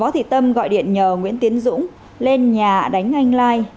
thì tâm gọi điện nhờ nguyễn tiến dũng lên nhà đánh anh lai